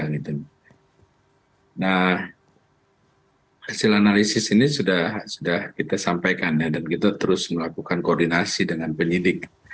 nah hasil analisis ini sudah kita sampaikan ya dan kita terus melakukan koordinasi dengan penyidik